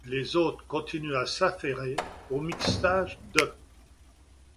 Les autres continuent à s'affairer au mixage de '.